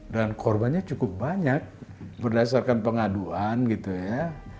dan korbannya cukup banyak berdasarkan pengaduan gitu ya